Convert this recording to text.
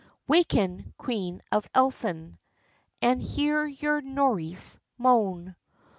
Waken, Queen of Elfan, An hear your Nourrice moan.